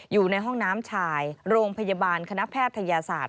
อยู่ในห้องน้ำชายโรงพยาบาลคณะแพทยศาสตร์